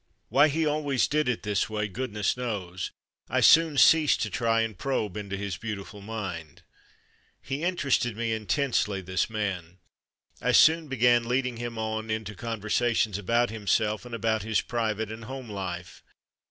Why he always did it this way good ness knows; I soon ceased to try and probe into his beautiful mind. He interested me intensely, this man. I soon began leading him on into conversa tions about himself and about his private and home life.